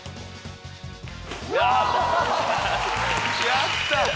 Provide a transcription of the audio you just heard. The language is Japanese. やった！